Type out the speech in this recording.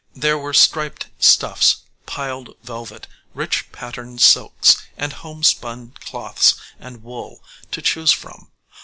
}] There were striped stuffs, piled velvet, rich patterned silks, and homespun cloths and wool to choose from.